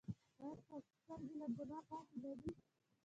ایا ستاسو سترګې له ګناه پاکې نه دي؟